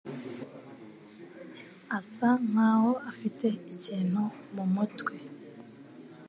Asa nkaho afite ikintu mumutwe.